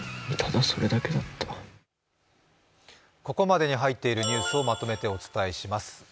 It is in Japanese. ここまでに入っているニュースをまとめてお伝えします。